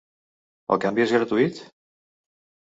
El canvi és gratuït?